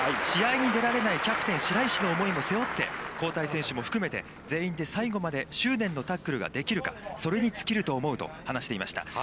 試合に出られないキャプテン白石の思いも背負って交代選手も含めて全員で最後まで執念のタックルができるかそれに尽きると思うと話していました。